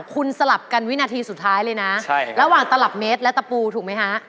คุณสลับกันวินาทีสุดท้ายเลยนะระหว่างตลับเมตรและตะปูถูกไหมฮะ